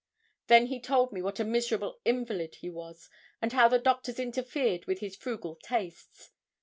Then he told me what a miserable invalid he was, and how the doctors interfered with his frugal tastes.